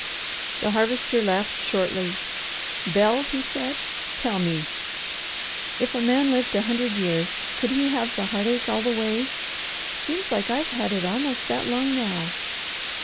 The Harvester laughed shortly. "Bel," he said, "tell me! If a man lived a hundred years, could he have the heartache all the way? Seems like I've had it almost that long now.